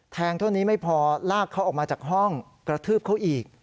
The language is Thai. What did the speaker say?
เท่านี้ไม่พอลากเขาออกมาจากห้องกระทืบเขาอีก